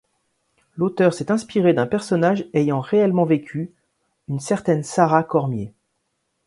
L'auteur s'est inspirée d'un personnage ayant réellement vécu, une certaine Sarah Cormier.